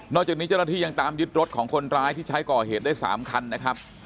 จากนี้เจ้าหน้าที่ยังตามยึดรถของคนร้ายที่ใช้ก่อเหตุได้๓คันนะครับ